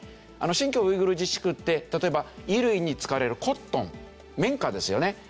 新疆ウイグル自治区って例えば衣類に使われるコットン綿花ですよね。